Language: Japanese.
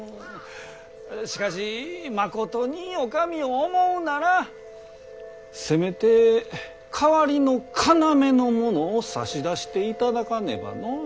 しかしまことにお上を思うならせめて代わりの要の者を差し出していただかねばのう。